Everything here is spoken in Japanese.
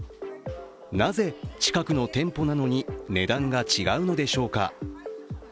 なぜ近くの店舗なのに値段が違うのでしょうか。